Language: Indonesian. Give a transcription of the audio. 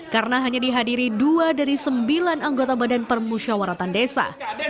karena hanya dihadiri dua dari sembilan anggota badan permusyawaratan desa